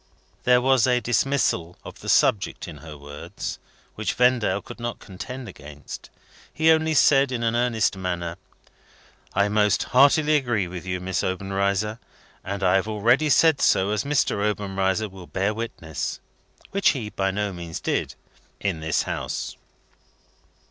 There was a dismissal of the subject in her words, which Vendale could not contend against. He only said in an earnest manner, "I most heartily agree with you, Miss Obenreizer, and I have already said so, as Mr. Obenreizer will bear witness," which he by no means did, "in this house."